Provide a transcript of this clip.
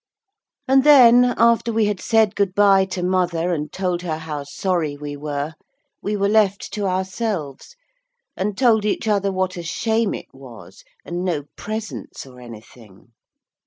And then after we had said good bye to mother, and told her how sorry we were, we were left to ourselves, and told each other what a shame it was, and no presents or anything.